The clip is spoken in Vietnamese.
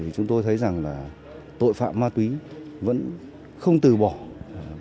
chúng tôi thấy rằng là tội phạm ma túy vẫn không từ bỏ cái âm mưu